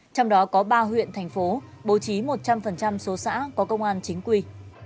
trong đó có ba huyện thành phố bố trí một trăm linh số xã có công an chính quy